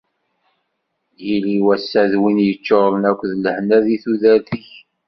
Yili wassa d win yeččuren akk d lehna deg tudert-ik.